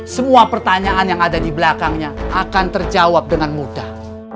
semua pertanyaan yang ada di belakangnya akan terjawab dengan mudah